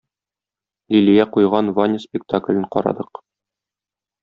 Лилия куйган "Ваня" спектаклен карадык